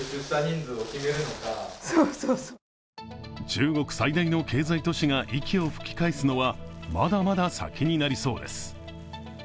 中国最大の経済都市が息を吹き返すのは、まだまだ先になりそうです。